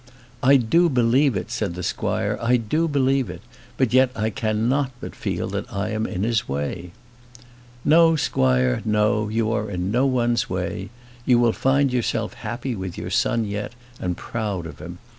"I do believe it," said the squire; "I do believe it. But yet, I cannot but feel that I am in his way." "No, squire, no; you are in no one's way. You will find yourself happy with your son yet, and proud of him.